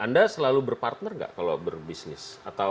anda selalu berpartner nggak kalau berbisnis